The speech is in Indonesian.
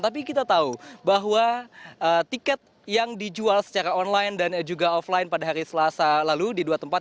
tapi kita tahu bahwa tiket yang dijual secara online dan juga offline pada hari selasa lalu di dua tempat